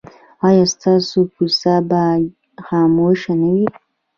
ایا ستاسو کوڅه به خاموشه نه وي؟